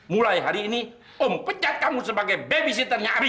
mulai hari ini om pecat kamu sebagai babysitternya